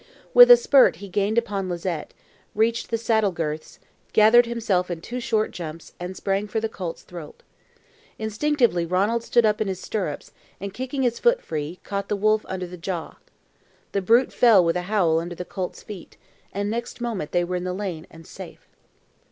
With a spurt he gained upon Lizette, reached the saddle girths, gathered himself into two short jumps, and sprang for the colt's throat. Instinctively Ranald stood up in his stirrups, and kicking his foot free, caught the wolf under the jaw. The brute fell with a howl under the colt's feet, and next moment they were in the lane and safe.